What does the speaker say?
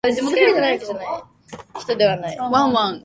かいかいしき